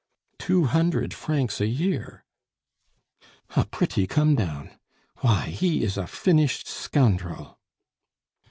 "Two hundred francs a year." "A pretty come down!... Why, he is a finished scoundrel."